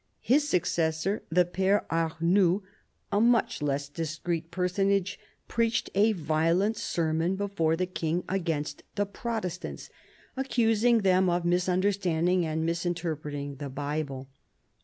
His successor, the Pere Arnoux, a much less discreet personage, preached a violent sermon before the King against the Protestants, accusing them of misunderstanding and misinterpreting the Bible.